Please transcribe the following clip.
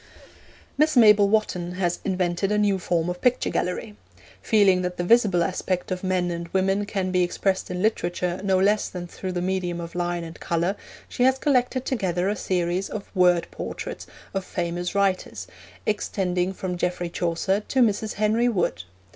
Miss Mabel Wotton has invented a new form of picture gallery. Feeling that the visible aspect of men and women can be expressed in literature no less than through the medium of line and colour, she has collected together a series of Word Portraits of Famous Writers extending from Geoffrey Chaucer to Mrs. Henry Wood.